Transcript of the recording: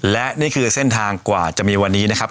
และนี่คือเส้นทางกว่าจะมีวันนี้นะครับ